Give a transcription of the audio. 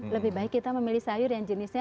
lebih baik kita memilih sayur yang jenisnya